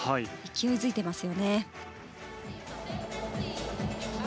勢い付いていますよね。